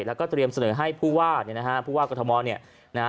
แล้วก็เตรียมเสนอให้ผู้วาดผู้วาดกุธมรณ์